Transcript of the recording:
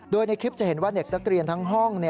โดยในคลิปจะเห็นว่าเด็กนักเรียนทั้งห้อง